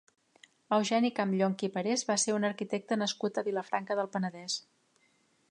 Eugeni Campllonch i Parés va ser un arquitecte nascut a Vilafranca del Penedès.